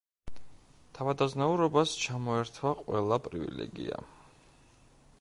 თავადაზნაურობას ჩამოერთვა ყველა პრივილეგია.